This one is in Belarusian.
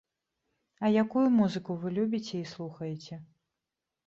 А якую музыку вы любіце і слухаеце?